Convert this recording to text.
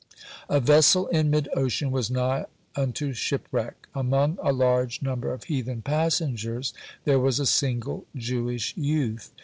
A vessel in mid ocean was nigh unto shipwreck. Among a large number of heathen passengers there was a single Jewish youth.